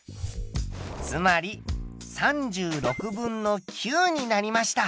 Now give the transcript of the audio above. つまり３６分の９になりました。